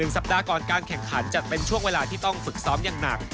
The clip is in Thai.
๑สัปดาห์ก่อนการแข่งขันจัดส่วนจัดเป็นช่วงเวลาที่ต้องฝึกซ้อมหนัก